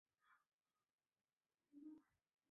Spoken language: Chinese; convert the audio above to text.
又曾任东川节度使。